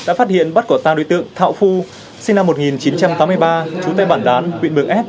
đã phát hiện bắt có ba đối tượng thạo phu sinh năm một nghìn chín trăm tám mươi ba chú tây bản đán huyện bường s